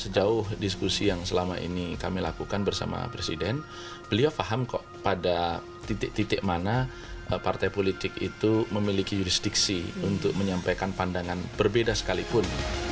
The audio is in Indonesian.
sejauh diskusi yang selama ini kami lakukan bersama presiden beliau paham kok pada titik titik mana partai politik itu memiliki jurisdiksi untuk menyampaikan pandangan berbeda sekalipun